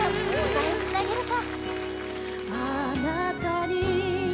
歌いつなげるか？